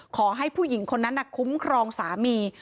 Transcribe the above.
ขอให้ผู้หญิงคนนั้นคุ้มครองสามี